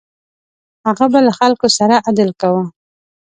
هغه به له خلکو سره عدل کاوه.